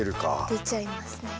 出ちゃいますね。